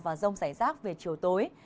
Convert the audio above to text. và rông rải rác về chiều tối